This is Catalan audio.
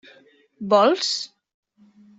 Vols?